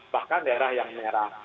bahkan daerah yang merah